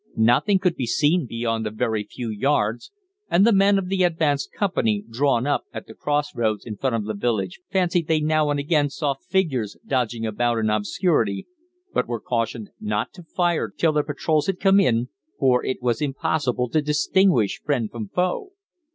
Nothing could be seen beyond a very few yards, and the men of the advanced company drawn up at the cross roads in front of the village inn fancied they now and again saw figures dodging about in obscurity, but were cautioned not to fire till their patrols had come in, for it was impossible to distinguish friend from foe.